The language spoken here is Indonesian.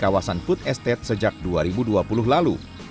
kawasan food estate sejak dua ribu dua puluh lalu